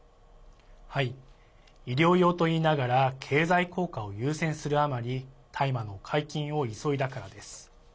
医療用といいながら経済効果を優先するあまり大麻の解禁を急いだからです。